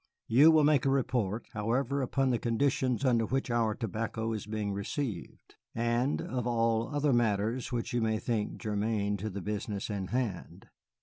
You will make a report, however, upon the conditions under which our tobacco is being received, and of all other matters which you may think germane to the business in hand.